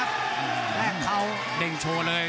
ขอแดงชำโชว์เลย